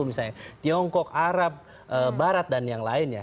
misalnya tiongkok arab barat dan yang lainnya